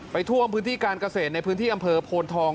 ท่วมพื้นที่การเกษตรในพื้นที่อำเภอโพนทอง